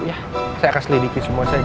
saya akan selidiki semua saya janji